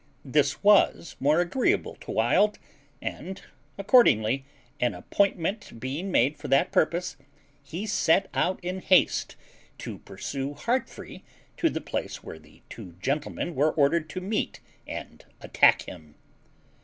This was more agreeable to Wild, and accordingly, an appointment being made for that purpose, he set out in haste to pursue Heartfree to the place where the two gentlemen were ordered to meet and attack him.